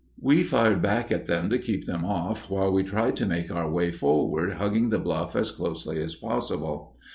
We fired back at them to keep them off while we tried to make our way forward hugging the bluff as closely as possible.